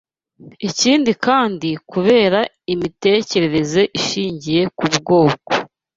Ikindi kandi, kubera imitekerereze ishingiye ku bwoko